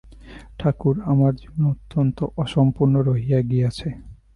ঠাকুর, আমার জীবন অত্যন্ত অসম্পূর্ণ রহিয়া গিয়াছে।